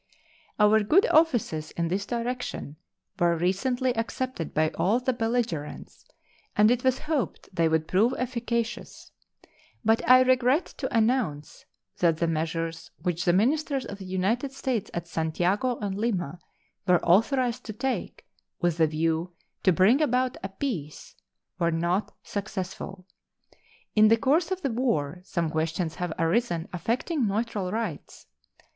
Our good offices in this direction were recently accepted by all the belligerents, and it was hoped they would prove efficacious; but I regret to announce that the measures which the ministers of the United States at Santiago and Lima were authorized to take with the view to bring about a peace were not successful. In the course of the war some questions have arisen affecting neutral rights.